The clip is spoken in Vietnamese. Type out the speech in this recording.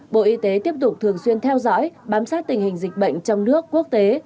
bộ y tế tiếp tục thường xuyên theo dõi bám sát tình hình dịch bệnh trong nước quốc tế